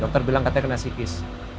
dokter bilang katanya kena psikis